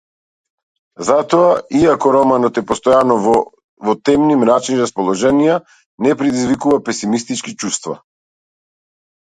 Затоа, иако романот е постојано во темни, мрачни расположенија, не предизвикува песимистички чувства.